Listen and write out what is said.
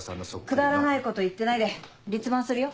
くだらないこと言ってないで立番するよ。